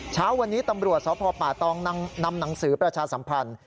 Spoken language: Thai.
เช้าวันนี้ตำรวจสพป่าตองนำหนังสือประชาสัมพันธ์